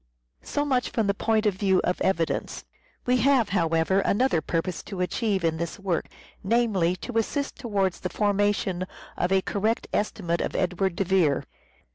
So much from the point of view of evidence. We have, however, another purpose to achieve in this work ; namely, to assist towards the formation of a correct estimate of Edward de Vere.